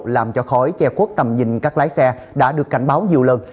làm cho khói che khuất tầm nhìn các lái xe đã được cảnh báo nhiều lần